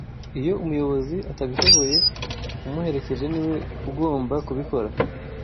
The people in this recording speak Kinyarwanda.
Iyo umuyobozi atabishoboye umuherekeje niwe ugomba kubikora